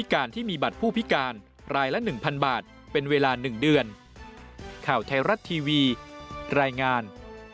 ข่าวไทยรัตน์ทีวีรายงาน